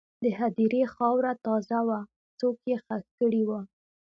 د هدیرې خاوره تازه وه، څوک یې ښخ کړي وو.